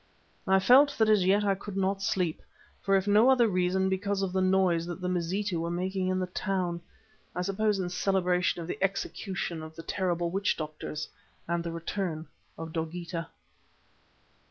I felt that as yet I could not sleep; if for no other reason because of the noise that the Mazitu were making in the town, I suppose in celebration of the execution of the terrible witch doctors and the return of Dogeetah.